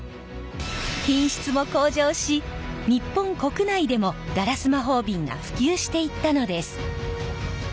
品質も向上し日本国内でもガラス魔法瓶が普及していったのです！